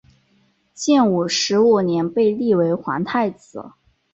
建武十五年被立为皇太子。